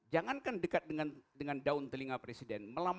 jangankan dekat dengan daun telinga presiden